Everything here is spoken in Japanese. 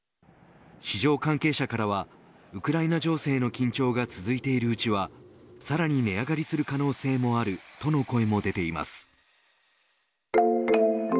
市場関係者からはウクライナ情勢の緊張が続いているうちはさらに値上がりする可能性もあるとの声も出ています。